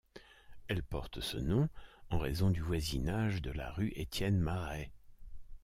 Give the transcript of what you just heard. Elle porte ce nom en raison du voisinage de la rue Étienne-Marey.